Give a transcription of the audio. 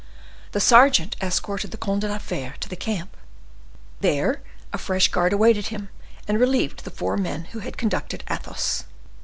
The sergeant escorted the Comte de la Fere to the camp. There a fresh guard awaited him, and relieved the four men who had conducted Athos.